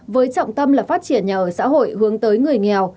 với trọng tâm là phát triển nhà ở xã hội hướng tới người nghèo